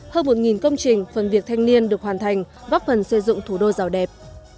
hơn một công trình phần việc thanh niên được hoàn thành góp phần xây dựng thủ đô giàu đẹp